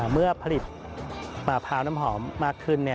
เมื่อผลิตมะพร้าวน้ำหอมมากขึ้น